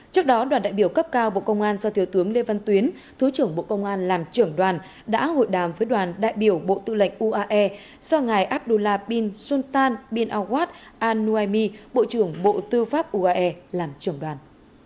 trước đó đoàn đại biểu cấp cao bộ công an do thiếu tướng lê văn tuyến thứ trưởng bộ công an làm trưởng đoàn đã hội đàm với đoàn đại biểu bộ tư lệnh uae do ngài abdullah bin sultan bin awad al nuaymi bộ trưởng bộ tư pháp uae làm trưởng đoàn